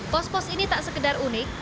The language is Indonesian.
pos pos ini tak sekedar unik